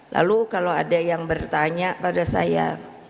lalu kalau ada yang bertanya pada saya